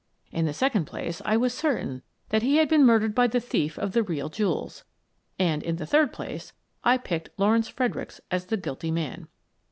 In the second place, I was certain that he had been murdered by the thief of the real jewels. And, in the third place, I picked Lawrence Fred ericks as the guilty man.